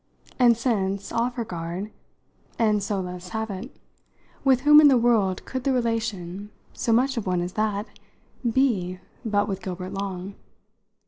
And since, off her guard, she so let us have it, with whom in the world could the relation so much of one as that be but with Gilbert Long?